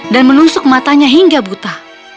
dan menusuk matanya hingga buta